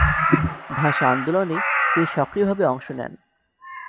ভাষা আন্দোলনে তিনি সক্রিয়ভাবে অংশ নেন।